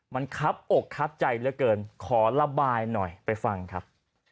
มันครับอกครับใจเหลือเกินขอระบายหน่อยไปฟังครับ